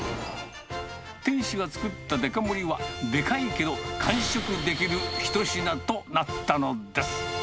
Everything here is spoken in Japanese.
店主が作ったデカ盛りは、でかいけど完食できる一品となったのです。